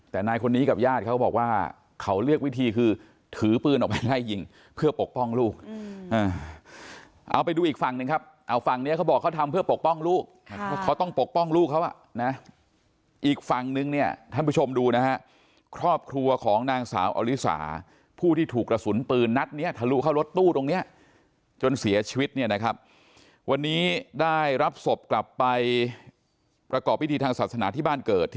แต่นายคนนี้กับญาติเขาบอกว่าเขาเลือกวิธีคือถือปืนออกไปไล่ยิงเพื่อปกป้องลูกเอาไปดูอีกฝั่งนึงครับเอาฝั่งเนี่ยเขาบอกเขาทำเพื่อปกป้องลูกเขาต้องปกป้องลูกเขาอ่ะนะอีกฝั่งนึงเนี่ยท่านผู้ชมดูนะครับครอบครัวของนางสาวอลิสาผู้ที่ถูกกระสุนปืนนัดเนี่ยทะลูเข้ารถตู้ตรงเนี่ยจนเสียชีวิตเนี่